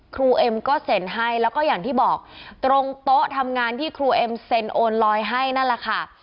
เอ็มก็เซ็นให้แล้วก็อย่างที่บอกตรงโต๊ะทำงานที่ครูเอ็มเซ็นโอนลอยให้นั่นแหละค่ะ